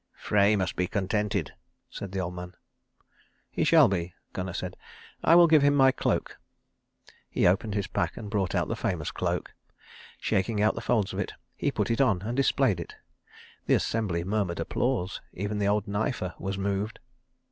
"Frey must be contented," said the old man. "He shall be," Gunnar said; "I will give him my cloak." He opened his pack, and brought out the famous cloak. Shaking out the folds of it, he put it on and displayed it. The assembly murmured applause; even the old knifer was moved.